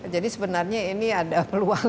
jadi sebenarnya ini ada peluang